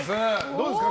どうですか？